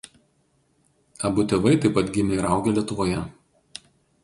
Abu tėvai taip pat gimę ir augę Lietuvoje.